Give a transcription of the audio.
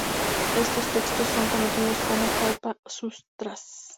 Estos textos son conocidos como "Kalpa-sutras".